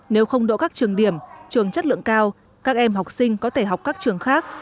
nếu không đổ các trường điểm trường chất lượng cao các em học sinh có thể học các trường khác